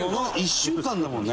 「１週間だもんね」